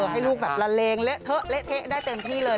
ให้ลูกแบบละเลงเละเทะเละเทะได้เต็มที่เลย